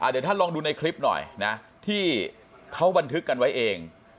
เดี๋ยวท่านลองดูในคลิปหน่อยนะที่เขาบันทึกกันไว้เอง